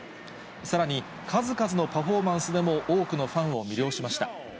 さらに数々のパフォーマンスでも多くのファンを魅了しました。